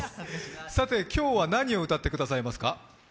さて今日は何を歌ってくださいますか？